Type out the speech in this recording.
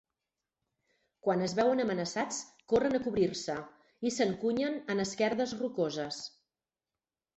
Quan es veuen amenaçats, corren a cobrir-se i s'encunyen en esquerdes rocoses.